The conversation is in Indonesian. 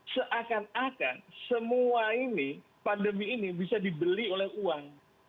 seakan akan semua ini pandemi ini bisa dibeli oleh uang